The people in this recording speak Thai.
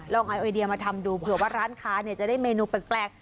ไอไอเดียมาทำดูเผื่อว่าร้านค้าจะได้เมนูแปลก